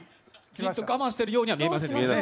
ずっと我慢してるようには見えませんね。